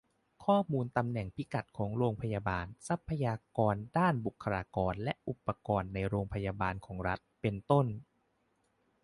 ข้อมูลตำแหน่งพิกัดของโรงพยาบาล ทรัพยากรด้านบุคลากร และ อุปกรณ์ในโรงพยาบาลของรัฐ เป็นต้น